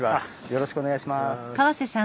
よろしくお願いします。